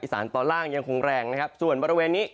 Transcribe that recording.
สานตอนล่างยังคงแรงนะครับส่วนบริเวณนี้